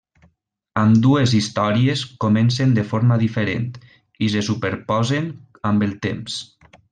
Ambdues històries comencen de forma diferent, i se superposen amb el temps.